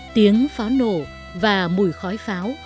tiếng pháo nổ và mùi khói pháo